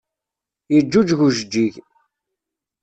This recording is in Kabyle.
Yeǧǧuǧeg ujeǧǧig.